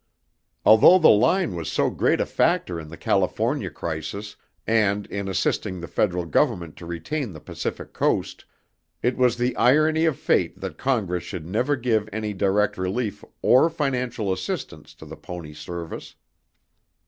Although the line was so great a factor in the California crisis, and in assisting the Federal Government to retain the Pacific Coast, it was the irony of fate that Congress should never give any direct relief or financial assistance to the pony service.